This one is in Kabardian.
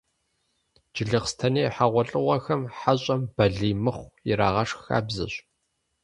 Джылэхъстэней хьэгъуэлӏыгъуэхэм хьэщӏэм «балий мыхъу» ирагъэшх хабзэщ.